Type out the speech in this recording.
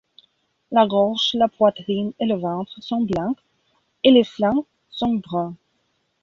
La gorge, la poitrine et le ventre sont blancs et les flancs sont bruns.